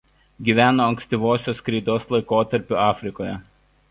Gyveno ankstyvosios kreidos laikotarpiu Afrikoje.